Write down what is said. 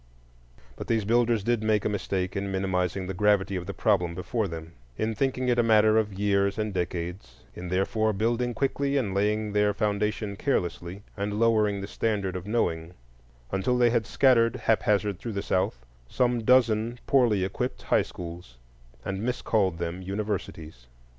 But these builders did make a mistake in minimizing the gravity of the problem before them; in thinking it a matter of years and decades; in therefore building quickly and laying their foundation carelessly, and lowering the standard of knowing, until they had scattered haphazard through the South some dozen poorly equipped high schools and miscalled them universities.